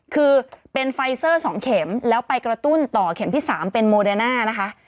คือเป็นไฟเซอร์๒เข็มแล้วไปกระตุ้นต่อเข็มที่๓เป็นโมเดอร์น่านะคะ